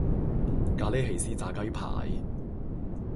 咖哩起司炸雞排